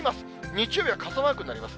日曜日は傘マークになります。